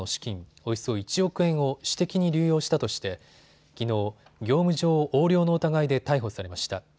およそ１億円を私的に流用したとしてきのう業務上横領の疑いで逮捕されました。